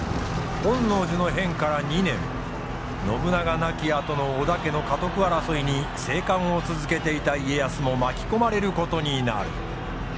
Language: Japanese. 本能寺の変から２年信長亡きあとの織田家の家督争いに静観を続けていた家康も巻き込まれることになる。